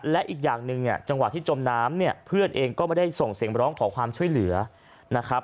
และอีกอย่างหนึ่งเนี่ยจังหวะที่จมน้ำเนี่ยเพื่อนเองก็ไม่ได้ส่งเสียงร้องขอความช่วยเหลือนะครับ